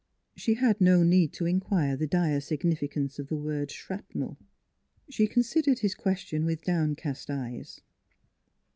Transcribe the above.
She had no need to inquire the dire significance of the word shrapnel. She considered his ques tion with downcast eyes.